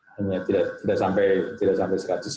hanya tidak sampai seratus